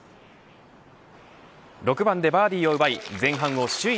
６番でバーディーを奪い前半を首位